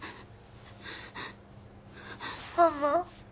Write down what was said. ママ？